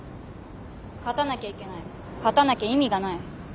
勝たなきゃいけない勝たなきゃ意味がない。